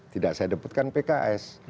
tidak saya dapetkan pks